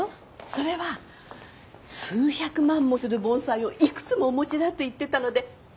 それは数百万もする盆栽をいくつもお持ちだと言ってたので大丈夫かと！